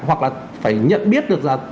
hoặc là phải nhận biết được là thông tin